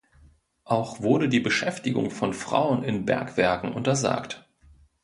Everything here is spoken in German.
Auch wurde die Beschäftigung von Frauen in Bergwerken untersagt.